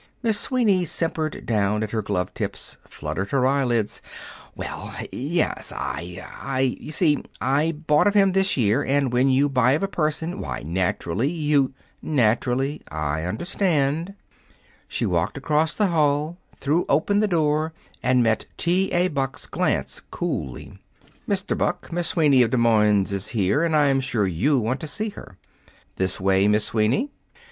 Miss Sweeney simpered down at her glove tips, fluttered her eyelids. "Well yes I I you see, I bought of him this year, and when you buy of a person, why, naturally, you " "Naturally; I understand." She walked across the hall, threw open the door, and met T. A. Buck's glance coolly. "Mr. Buck, Miss Sweeney, of Des Moines, is here, and I'm sure you want to see her. This way, Miss Sweeney."